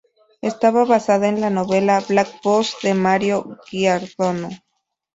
Está basada en la novela Black Box de Mario Giordano.